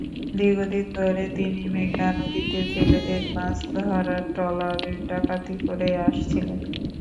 দীর্ঘদিন ধরে তিনি মেঘনা নদীতে জেলেদের মাছ ধরার ট্রলারে ডাকাতি করে আসছিলেন।